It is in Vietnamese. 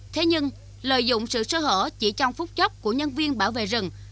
thế nhưng lợi dụng sự sơ hở chỉ trong phút chóc của nhân viên bảo vệ rừng